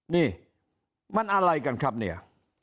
นี่มันอะไรกันครับเนี่ย